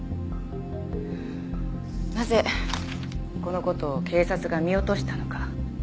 なぜこの事を警察が見落としたのか？